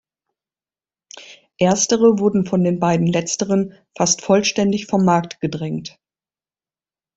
Erstere wurde von den beiden Letzteren fast vollständig vom Markt gedrängt.